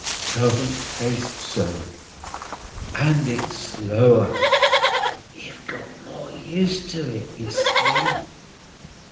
"It doesn't taste so. And it's slower." "You've got more used to it, you see."